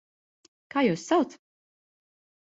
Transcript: Kā jūs sauc?